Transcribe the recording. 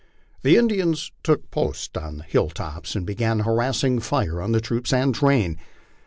The Indians took post on the hill tops and began a harassing fire on the troops and train.